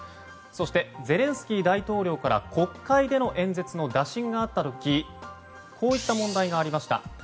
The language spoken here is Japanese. そして、ゼレンスキー大統領から国会での演説の打診があった時こういった問題がありました。